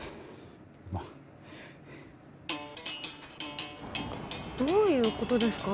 まあどういうことですか？